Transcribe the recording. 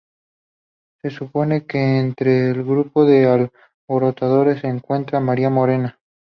Se supone que entre el grupo de alborotadores se encontraba María Morena.